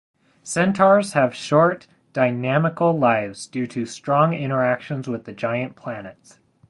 Centaurs have short dynamical lives due to strong interactions with the giant planets.